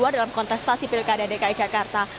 dalam kontestasi pilkada dki jakarta